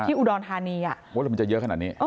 ที่อุดรธานีมันจะเยอะขนาดนี้